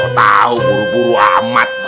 tau tau buru buru amat